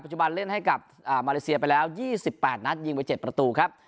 จุบันเล่นให้กับมาเลเซียไปแล้ว๒๘นัดยิงไป๗ประตูครับ